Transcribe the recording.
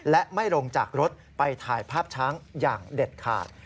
และไม่ลงจากรถไปถ่ายภาพช้างอย่างเด็ดขาด